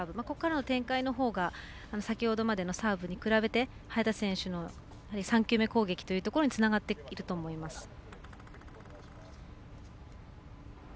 ここからの展開のほうが先ほどまでのサーブに比べて早田選手の３球目攻撃というところにつながっていると思います。